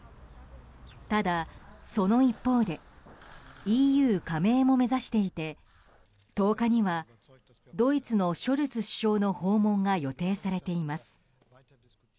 ただ、その一方でＥＵ加盟も目指していて１０日にはドイツのショルツ首相の訪問が予定されています。